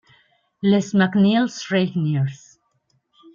Les Magnils-Reigniers